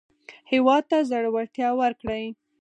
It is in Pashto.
هېواد ته زړورتیا ورکړئ